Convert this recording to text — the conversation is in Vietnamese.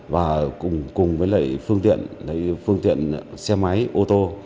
và cùng với phương tiện phương tiện xe máy ô tô